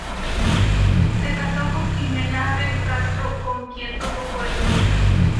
Se casó con "Ximena Abell Castro", con quien tuvo cuatro hijas.